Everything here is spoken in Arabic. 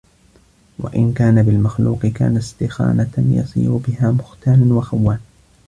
وَإِنْ كَانَ بِالْمَخْلُوقِ كَانَ اسْتِخَانَةً يَصِيرُ بِهَا مُخْتَانًا وَخَوَّانًا